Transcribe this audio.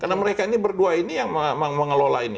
karena mereka ini berdua ini yang mengelola ini